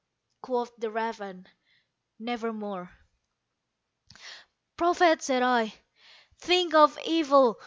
Quoth the raven, "Nevermore." "Prophet!" said I, "thing of evil!